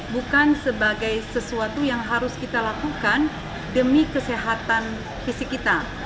bukan sebagai sesuatu yang harus kita lakukan demi kesehatan fisik kita